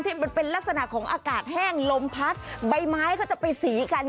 ที่เป็นลักษณะของอากาศแห้งลมพัดใบไม้ก็จะไปสีกัน